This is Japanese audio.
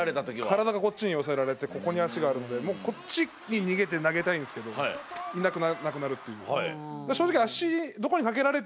体がこっちに押さえられてここに足があるのでもうこっちに逃げて投げたいんですけどいなくなくなるっていう。